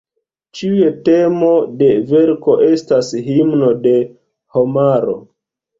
Ĉiuj temo de verko estas "Himno de Homaro".